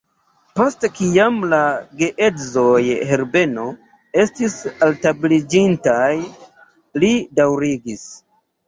Post kiam la geedzoj Herbeno estis altabliĝintaj, li daŭrigis: